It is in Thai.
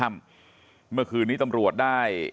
เมื่อคืนนี้ตำรวจได้